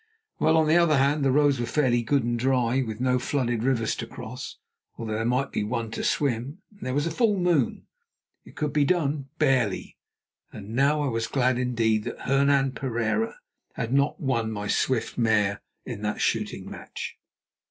Well, on the other hand, the roads were fairly good and dry, with no flooded rivers to cross, although there might be one to swim, and there was a full moon. It could be done—barely, and now I was glad indeed that Hernan Pereira had not won my swift mare in that shooting match.